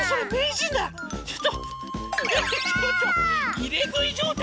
いれぐいじょうたい？